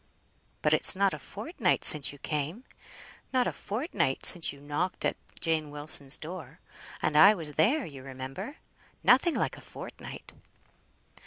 "But it's not a fortnight since you came. Not a fortnight since you knocked at Jane Wilson's door, and I was there, you remember. Nothing like a fortnight!"